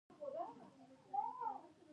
ایا ستاسو لاسونه خیر نه کوي؟